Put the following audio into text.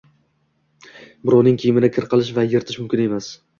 birovning kiyimini kir qilish va yirtish mumkin emas.